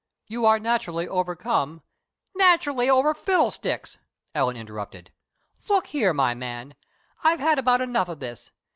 You are naturally overcome " "Naturally over fiddlesticks!" Ellen interrupted. "Look here, my man, I've had about enough of this.